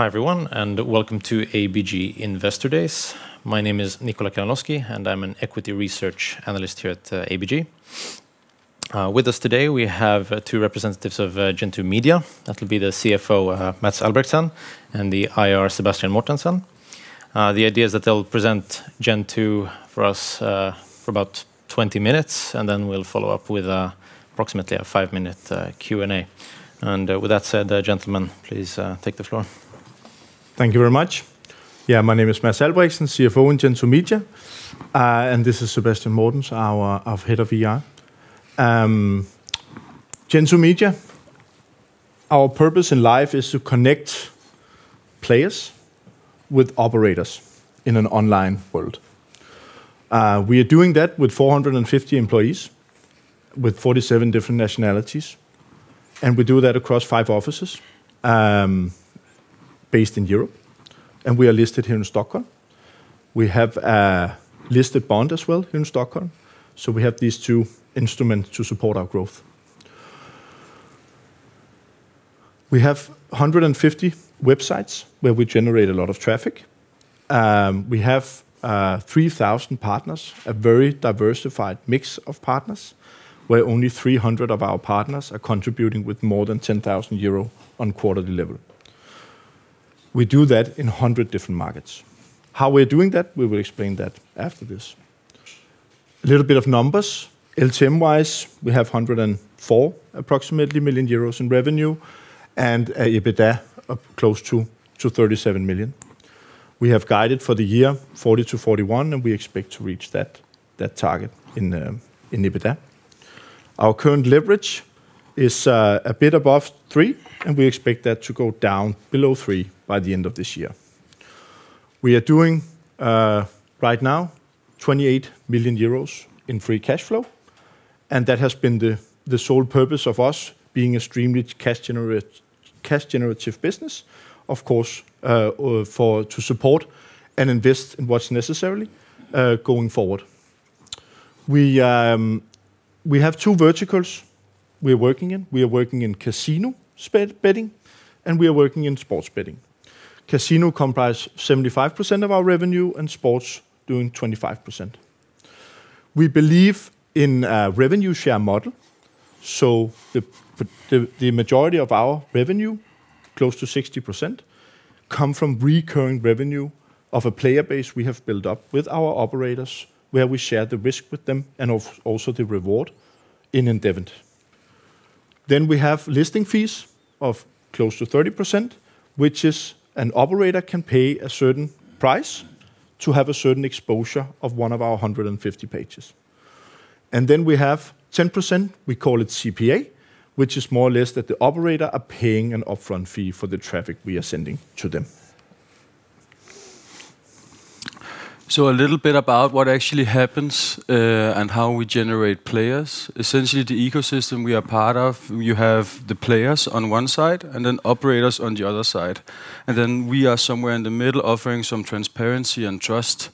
Hi everyone, and welcome to ABG Investor Days. My name is Nikola Kalanoski, and I'm an equity research analyst here at ABG. With us today, we have two representatives of Gentoo Media. That will be the CFO, Mads Albrechtsen, and the IR, Sebastian Mortensen. The idea is that they'll present Gentoo for us for about 20 minutes, and then we'll follow up with approximately a five-minute Q&A. And with that said, gentlemen, please take the floor. Thank you very much. Yeah, my name is Mads Albrechtsen, CFO at Gentoo Media, and this is Sebastian Mortensen, our Head of Gentoo Medi. Our purpose in life is to connect players with operators in an online world. We are doing that with 450 employees with 47 different nationalities, and we do that across five offices based in Europe, and we are listed here in Stockholm. We have a listed bond as well here in Stockholm, so we have these two instruments to support our growth. We have 150 websites where we generate a lot of traffic. We have 3,000 partners, a very diversified mix of partners, where only 300 of our partners are contributing with more than 10,000 euro on a quarterly level. We do that in 100 different markets. How we're doing that, we will explain that after this. A little bit of numbers: LTM-wise, we have 104 million euros in revenue and EBITDA close to 37 million. We have guided for the year 40-41, and we expect to reach that target in EBITDA. Our current leverage is a bit above three, and we expect that to go down below three by the end of this year. We are doing right now 28 million euros in free cash flow, and that has been the sole purpose of us being a strongly cash-generative business, of course, to support and invest in what's necessary going forward. We have two verticals we're working in. We are working in casino betting, and we are working in sports betting. Casino comprises 75% of our revenue, and sports doing 25%. We believe in a revenue share model, so the majority of our revenue, close to 60%, comes from recurring revenue of a player base we have built up with our operators, where we share the risk with them and also the reward in endeavor. Then we have listing fees of close to 30%, which is an operator can pay a certain price to have a certain exposure of one of our 150 pages. And then we have 10%, we call it CPA, which is more or less that the operator is paying an upfront fee for the traffic we are sending to them. So a little bit about what actually happens and how we generate players. Essentially, the ecosystem we are part of, you have the players on one side and then operators on the other side. And then we are somewhere in the middle offering some transparency and trust.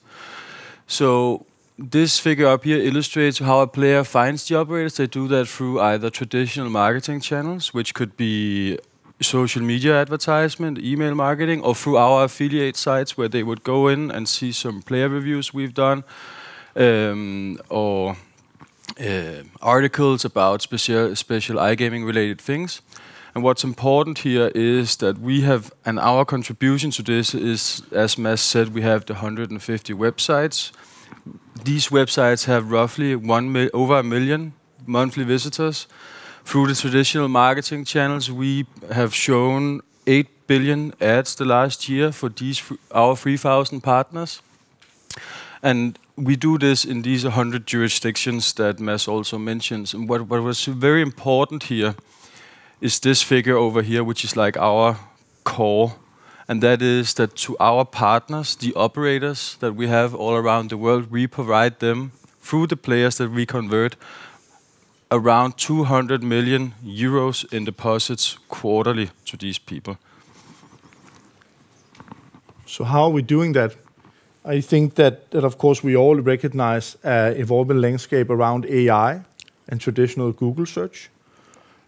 So this figure up here illustrates how a player finds the operators. They do that through either traditional marketing channels, which could be social media advertisement, email marketing, or through our affiliate sites where they would go in and see some player reviews we've done or articles about special iGaming-related things. And what's important here is that we have, and our contribution to this is, as Mads said, we have the 150 websites. These websites have roughly over a million monthly visitors. Through the traditional marketing channels, we have shown 8 billion ads the last year for our 3,000 partners. And we do this in these 100 jurisdictions that Mads also mentions. And what was very important here is this figure over here, which is like our core, and that is that to our partners, the operators that we have all around the world, we provide them through the players that we convert around 200 million euros in deposits quarterly to these people. So how are we doing that? I think that, of course, we all recognize an evolving landscape around AI and traditional Google search.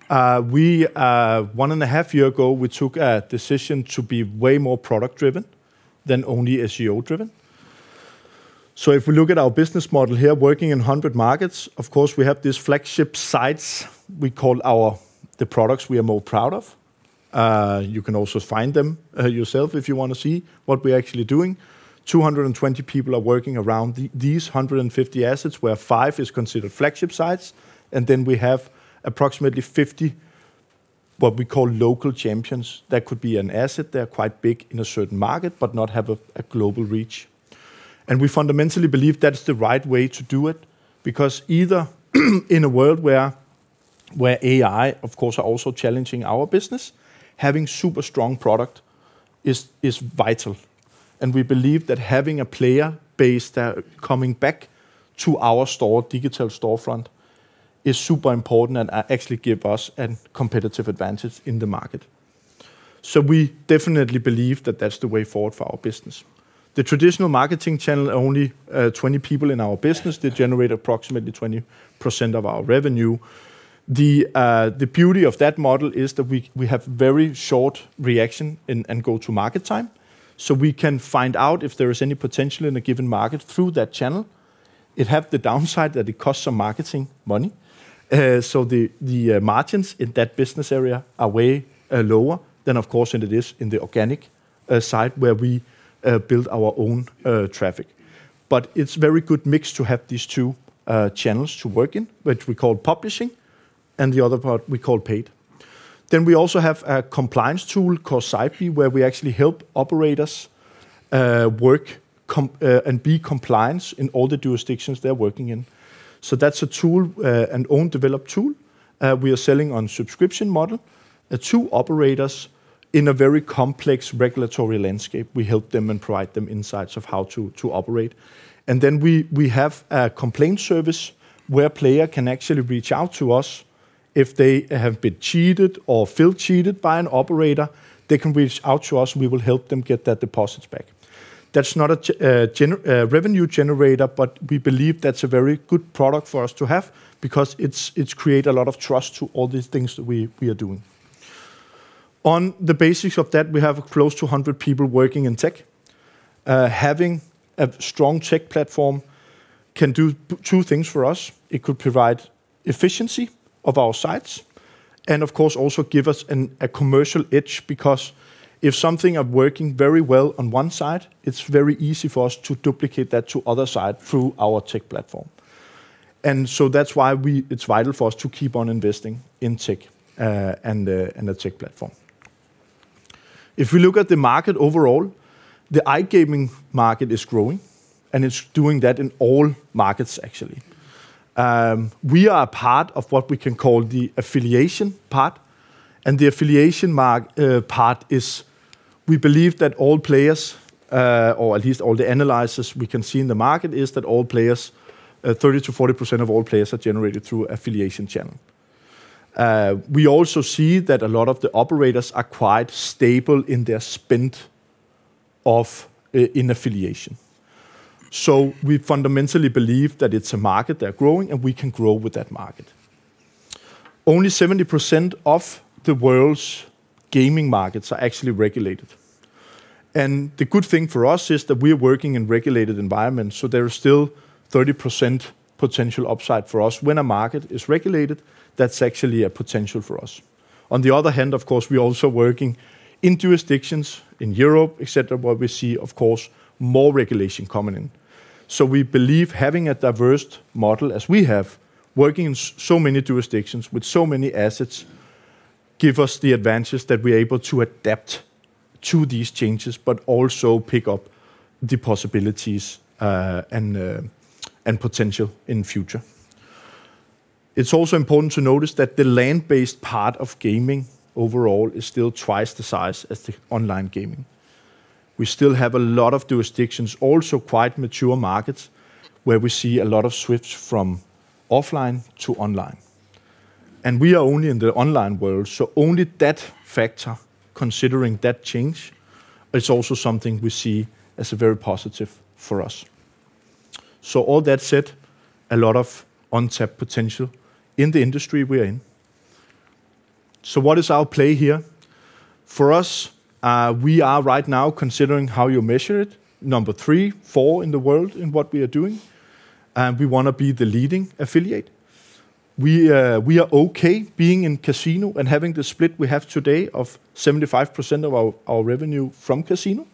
One and a half years ago, we took a decision to be way more product-driven than only SEO-driven. So if we look at our business model here, working in 100 markets, of course, we have these flagship sites we call our products we are most proud of. You can also find them yourself if you want to see what we're actually doing. 220 people are working around these 150 assets, where five are considered flagship sites. And then we have approximately 50 what we call local champions. That could be an asset that is quite big in a certain market but does not have a global reach. And we fundamentally believe that's the right way to do it because either in a world where AI, of course, is also challenging our business, having a super strong product is vital. And we believe that having a player base coming back to our digital storefront is super important and actually gives us a competitive advantage in the market. So we definitely believe that that's the way forward for our business. The traditional marketing channel, only 20 people in our business, they generate approximately 20% of our revenue. The beauty of that model is that we have very short reaction and go-to-market time, so we can find out if there is any potential in a given market through that channel. It has the downside that it costs some marketing money, so the margins in that business area are way lower than, of course, it is in the organic side where we build our own traffic. But it's a very good mix to have these two channels to work in, which we call publishing, and the other part we call paid. Then we also have a compliance tool called Sitebee, where we actually help operators work and be compliant in all the jurisdictions they're working in. So that's a tool, an own-developed tool. We are selling on a subscription model to operators in a very complex regulatory landscape. We help them and provide them insights of how to operate. And then we have a complaint service where players can actually reach out to us if they have been cheated or feel cheated by an operator. They can reach out to us. We will help them get their deposits back. That's not a revenue generator, but we believe that's a very good product for us to have because it's created a lot of trust to all these things that we are doing. On the basis of that, we have close to 100 people working in tech. Having a strong tech platform can do two things for us. It could provide efficiency of our sites and, of course, also give us a commercial edge because if something is working very well on one side, it's very easy for us to duplicate that to the other side through our tech platform. And so that's why it's vital for us to keep on investing in tech and a tech platform. If we look at the market overall, the iGaming market is growing, and it's doing that in all markets, actually. We are a part of what we can call the affiliation part. And the affiliation part is, we believe that all players, or at least all the analysis we can see in the market, is that all players, 30%-40% of all players are generated through affiliation channel. We also see that a lot of the operators are quite stable in their spend in affiliation. So we fundamentally believe that it's a market that is growing, and we can grow with that market. Only 70% of the world's gaming markets are actually regulated. And the good thing for us is that we are working in regulated environments, so there is still 30% potential upside for us. When a market is regulated, that's actually a potential for us. On the other hand, of course, we are also working in jurisdictions in Europe, etc., where we see, of course, more regulation coming in. So we believe having a diverse model, as we have, working in so many jurisdictions with so many assets, gives us the advantages that we are able to adapt to these changes but also pick up the possibilities and potential in the future. It's also important to notice that the land-based part of gaming overall is still twice the size as the online gaming. We still have a lot of jurisdictions, also quite mature markets, where we see a lot of switch from offline to online. We are only in the online world, so only that factor, considering that change, is also something we see as very positive for us. All that said, a lot of untapped potential in the industry we are in. What is our play here? For us, we are right now considering how you measure it, number three, four in the world in what we are doing. We want to be the leading affiliate. We are okay being in casino and having the split we have today of 75% of our revenue from casino.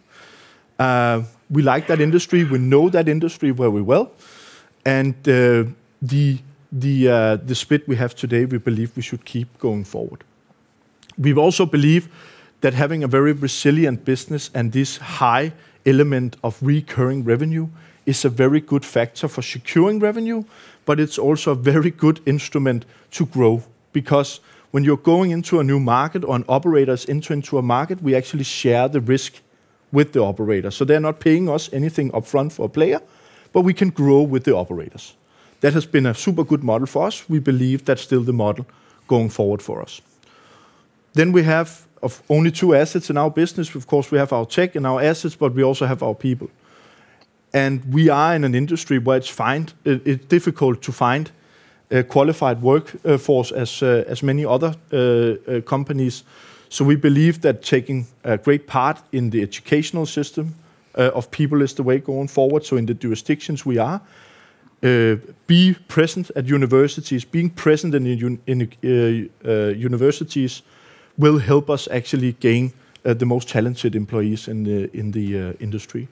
We like that industry. We know that industry very well. The split we have today, we believe we should keep going forward. We also believe that having a very resilient business and this high element of recurring revenue is a very good factor for securing revenue, but it's also a very good instrument to grow because when you're going into a new market or an operator is entering into a market, we actually share the risk with the operator. So they're not paying us anything upfront for a player, but we can grow with the operators. That has been a super good model for us. We believe that's still the model going forward for us. Then we have only two assets in our business. Of course, we have our tech and our assets, but we also have our people, and we are in an industry where it's difficult to find a qualified workforce as many other companies. So we believe that taking a great part in the educational system of people is the way going forward. So in the jurisdictions we are, being present at universities, being present in universities will help us actually gain the most talented employees in the industry.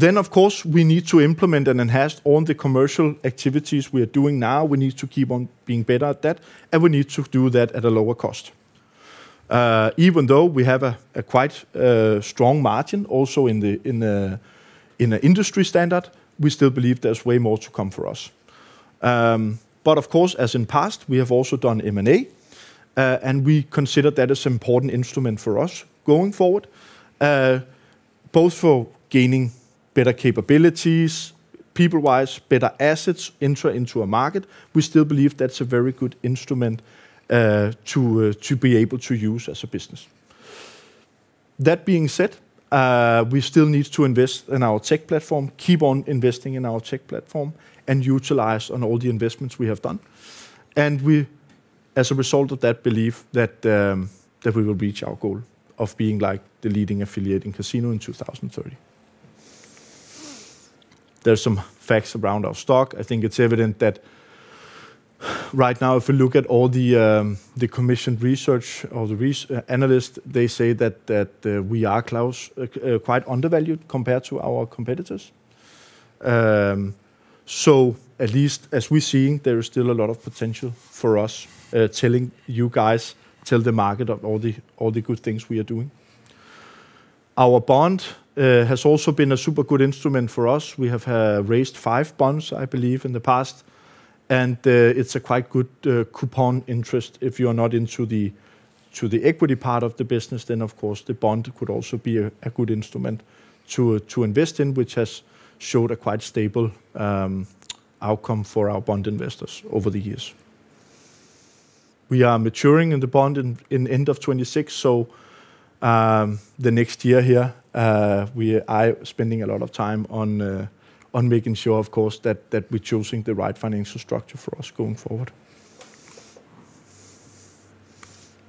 Then, of course, we need to implement and enhance all the commercial activities we are doing now. We need to keep on being better at that, and we need to do that at a lower cost. Even though we have a quite strong margin also in the industry standard, we still believe there's way more to come for us. But, of course, as in the past, we have also done M&A, and we consider that as an important instrument for us going forward, both for gaining better capabilities, people-wise, better assets entering into a market. We still believe that's a very good instrument to be able to use as a business. That being said, we still need to invest in our tech platform, keep on investing in our tech platform, and utilize all the investments we have done, and we, as a result of that, believe that we will reach our goal of being like the leading affiliate in casino in 2030. There are some facts around our stock. I think it's evident that right now, if we look at all the commissioned research or the analysts, they say that we are quite undervalued compared to our competitors. So at least, as we see, there is still a lot of potential for us. Telling you guys, tell the market of all the good things we are doing. Our bond has also been a super good instrument for us. We have raised five bonds, I believe, in the past, and it's a quite good coupon interest. If you are not into the equity part of the business, then, of course, the bond could also be a good instrument to invest in, which has showed a quite stable outcome for our bond investors over the years. We are maturing in the bond in the end of 2026, so the next year here, I'm spending a lot of time on making sure, of course, that we're choosing the right financial structure for us going forward.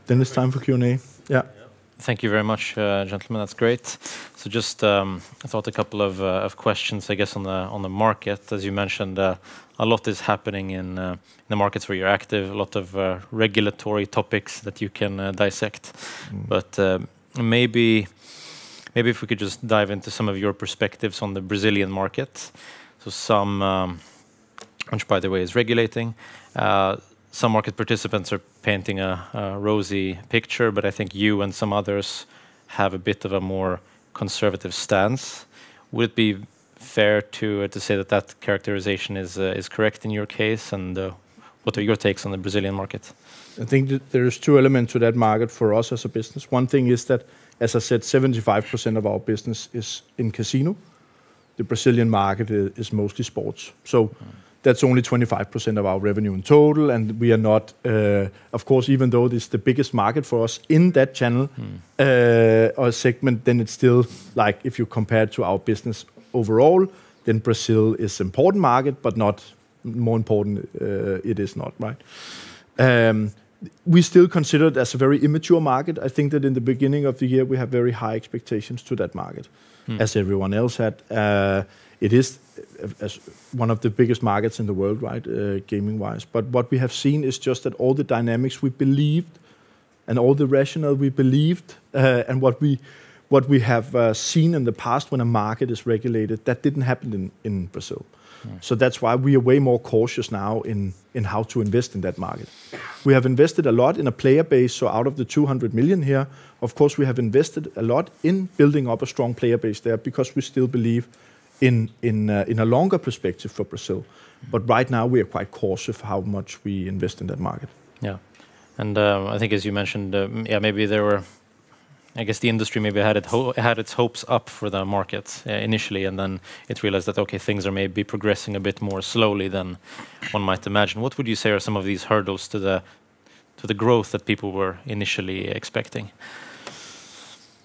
Then it's time for Q&A. Yeah. Thank you very much, gentlemen. That's great, so just I thought a couple of questions, I guess, on the market. As you mentioned, a lot is happening in the markets where you're active, a lot of regulatory topics that you can dissect, but maybe if we could just dive into some of your perspectives on the Brazilian market, so some, which, by the way, is regulating, some market participants are painting a rosy picture, but I think you and some others have a bit of a more conservative stance. Would it be fair to say that that characterization is correct in your case, and what are your takes on the Brazilian market? I think that there are two elements to that market for us as a business. One thing is that, as I said, 75% of our business is in casino. The Brazilian market is mostly sports. So that's only 25% of our revenue in total. And we are not, of course, even though it is the biggest market for us in that channel or segment, then it's still, if you compare it to our business overall, then Brazil is an important market, but not more important. We still consider it as a very immature market. I think that in the beginning of the year, we had very high expectations to that market, as everyone else had. It is one of the biggest markets in the world, gaming-wise. But what we have seen is just that all the dynamics we believed and all the rationale we believed and what we have seen in the past when a market is regulated, that didn't happen in Brazil. So that's why we are way more cautious now in how to invest in that market. We have invested a lot in a player base. So out of the 200 million here, of course, we have invested a lot in building up a strong player base there because we still believe in a longer perspective for Brazil. But right now, we are quite cautious of how much we invest in that market. Yeah, and I think, as you mentioned, maybe there were, I guess, the industry maybe had its hopes up for the market initially, and then it realized that, okay, things are maybe progressing a bit more slowly than one might imagine. What would you say are some of these hurdles to the growth that people were initially expecting?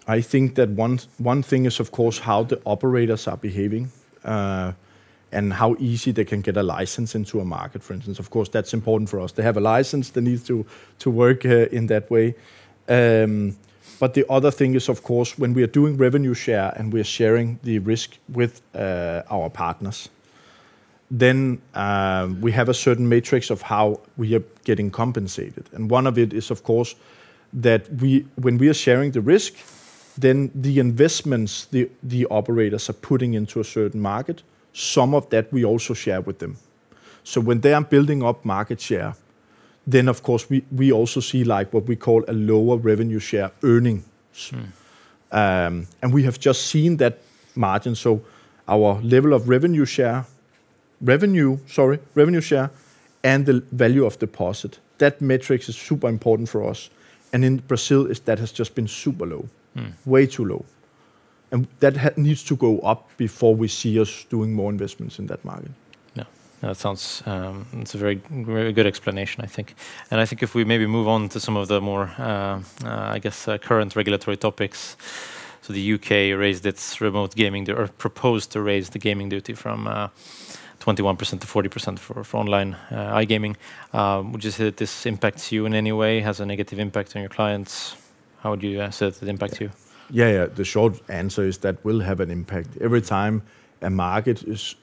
I think that one thing is, of course, how the operators are behaving and how easy they can get a license into a market. For instance, of course, that's important for us. They have a license. They need to work in that way, but the other thing is, of course, when we are doing revenue share and we are sharing the risk with our partners, then we have a certain metrics of how we are getting compensated, and one of it is, of course, that when we are sharing the risk, then the investments the operators are putting into a certain market, some of that we also share with them. So when they are building up market share, then, of course, we also see what we call a lower revenue share earnings, and we have just seen that margin. So, our level of revenue share, revenue, sorry, revenue share and the value of deposit, that matrix is super important for us. And in Brazil, that has just been super low, way too low. And that needs to go up before we see us doing more investments in that market. Yeah. That sounds like a very good explanation, I think. And I think if we maybe move on to some of the more, I guess, current regulatory topics. So the U.K. raised its remote gaming duty. They proposed to raise the gaming duty from 21%-40% for online iGaming. Would you say that this impacts you in any way? Has a negative impact on your clients? How would you say that it impacts you? Yeah, yeah. The short answer is that it will have an impact. Every time a market is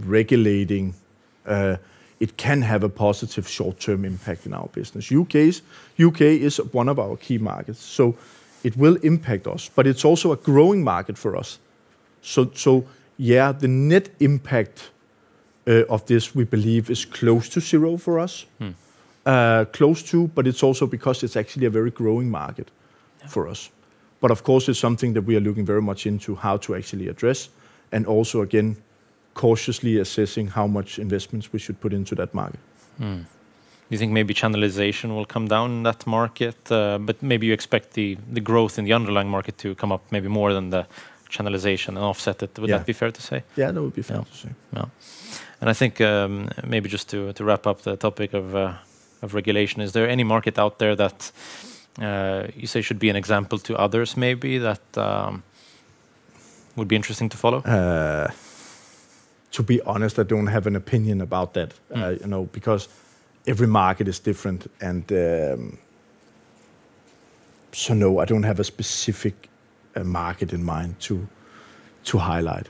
regulating, it can have a positive short-term impact in our business. U.K. is one of our key markets. So it will impact us, but it's also a growing market for us. So, yeah, the net impact of this, we believe, is close to zero for us. Close to, but it's also because it's actually a very growing market for us. But, of course, it's something that we are looking very much into how to actually address and also, again, cautiously assessing how much investments we should put into that market. You think maybe channelization will come down in that market, but maybe you expect the growth in the underlying market to come up maybe more than the channelization and offset it. Would that be fair to say? Yeah, that would be fair to say. Yeah. And I think maybe just to wrap up the topic of regulation, is there any market out there that you say should be an example to others maybe that would be interesting to follow? To be honest, I don't have an opinion about that because every market is different. And so, no, I don't have a specific market in mind to highlight.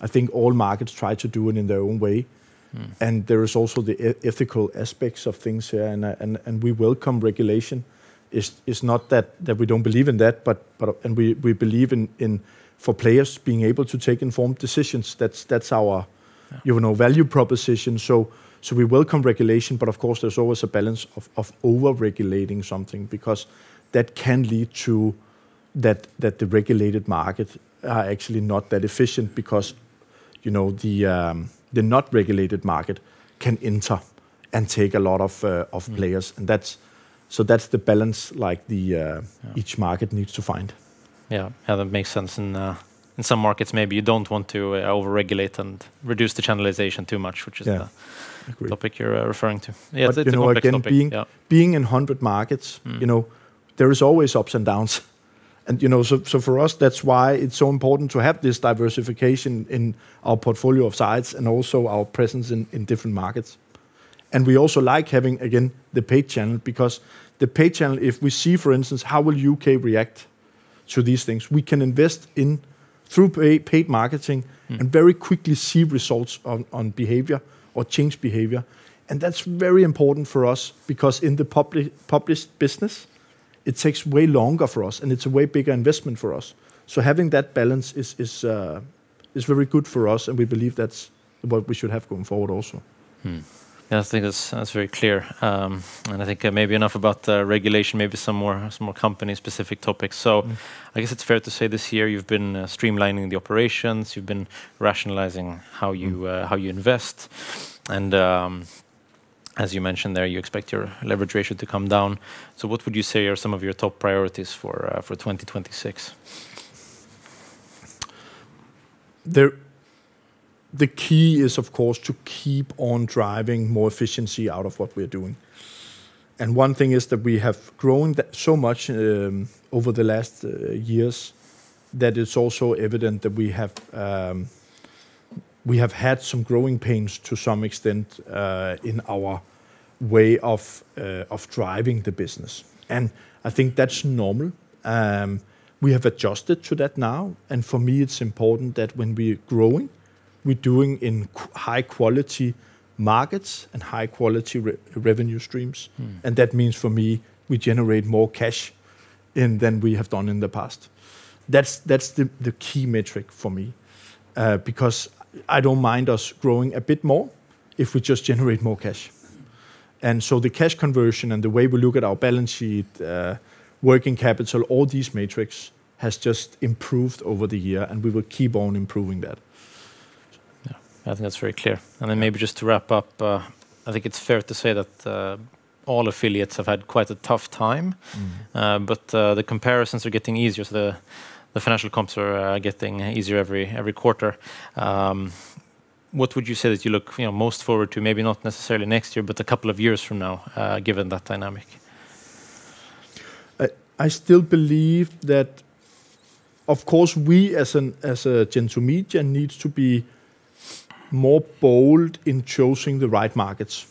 I think all markets try to do it in their own way. And there are also the ethical aspects of things here. And we welcome regulation. It's not that we don't believe in that, and we believe in for players being able to take informed decisions. That's our value proposition. So we welcome regulation, but, of course, there's always a balance of over-regulating something because that can lead to that the regulated markets are actually not that efficient because the unregulated market can enter and take a lot of players. And so that's the balance each market needs to find. Yeah. Yeah, that makes sense. In some markets, maybe you don't want to over-regulate and reduce the channelization too much, which is the topic you're referring to. Yeah. Being in 100 markets, there are always ups and downs. And so for us, that's why it's so important to have this diversification in our portfolio of sites and also our presence in different markets. And we also like having, again, the paid channel because the paid channel, if we see, for instance, how the U.K. will react to these things, we can invest through paid marketing and very quickly see results on behavior or change behavior. And that's very important for us because in the organic business, it takes way longer for us, and it's a way bigger investment for us. So having that balance is very good for us, and we believe that's what we should have going forward also. Yeah, I think that's very clear. And I think maybe enough about regulation, maybe some more company-specific topics. So I guess it's fair to say this year you've been streamlining the operations. You've been rationalizing how you invest. And as you mentioned there, you expect your leverage ratio to come down. So what would you say are some of your top priorities for 2026? The key is, of course, to keep on driving more efficiency out of what we're doing. And one thing is that we have grown so much over the last years that it's also evident that we have had some growing pains to some extent in our way of driving the business. And I think that's normal. We have adjusted to that now. And for me, it's important that when we're growing, we're doing in high-quality markets and high-quality revenue streams. And that means for me, we generate more cash than we have done in the past. That's the key metric for me because I don't mind us growing a bit more if we just generate more cash. And so the cash conversion and the way we look at our balance sheet, working capital, all these metrics have just improved over the year, and we will keep on improving that. Yeah, I think that's very clear. And then maybe just to wrap up, I think it's fair to say that all affiliates have had quite a tough time, but the comparisons are getting easier. So the financial comps are getting easier every quarter. What would you say that you look most forward to, maybe not necessarily next year, but a couple of years from now, given that dynamic? I still believe that, of course, we as Gentoo need to be more bold in choosing the right markets.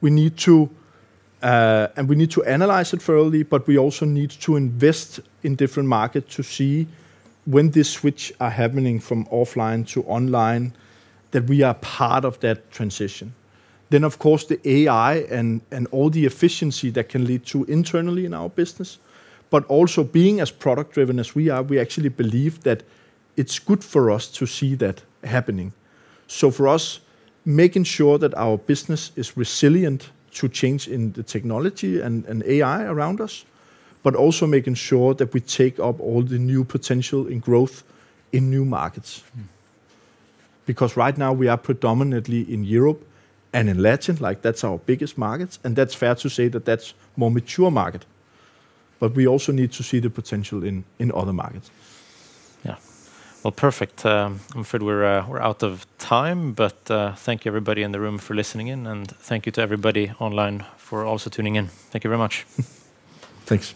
We need to, and we need to analyze it thoroughly, but we also need to invest in different markets to see when these switches are happening from offline to online that we are part of that transition. Then, of course, the AI and all the efficiency that can lead to internally in our business, but also being as product-driven as we are, we actually believe that it's good for us to see that happening. So for us, making sure that our business is resilient to change in the technology and AI around us, but also making sure that we take up all the new potential in growth in new markets. Because right now, we are predominantly in Europe and in Latin. That's our biggest markets. That's fair to say that that's a more mature market. We also need to see the potential in other markets. Yeah, well, perfect. I'm afraid we're out of time, but thank you, everybody in the room, for listening in. And thank you to everybody online for also tuning in. Thank you very much. Thanks.